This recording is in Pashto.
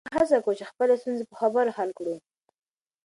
موږ هڅه کوو چې خپلې ستونزې په خبرو حل کړو.